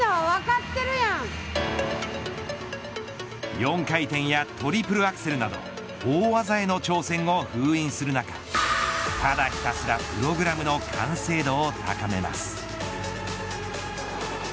４回転やトリプルアクセルなど大技への挑戦を封印する中ただひたすらプログラムの完成度を高めます。